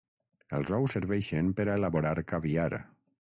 Els ous serveixen per a elaborar caviar.